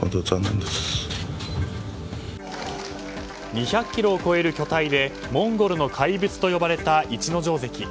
２００ｋｇを超える巨体でモンゴルの怪物と呼ばれた逸ノ城関。